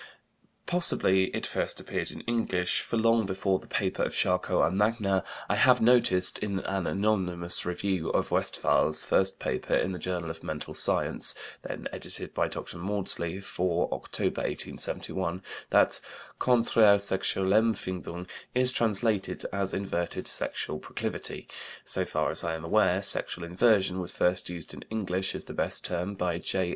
Possibly it first appeared in English, for long before the paper of Charcot and Magnan I have noticed, in an anonymous review of Westphal's first paper in the Journal of Mental Science (then edited by Dr. Maudsley) for October, 1871, that "Conträre Sexualempfindung" is translated as "inverted sexual proclivity." So far as I am aware, "sexual inversion" was first used in English, as the best term, by J.